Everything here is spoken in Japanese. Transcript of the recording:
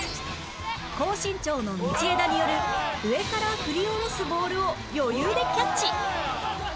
高身長の道枝による上から振り下ろすボールを余裕でキャッチ